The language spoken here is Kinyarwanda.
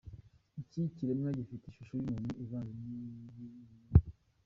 Iki kiremwa gifite ishusho y’umuntu ivanze n’iy’inguge.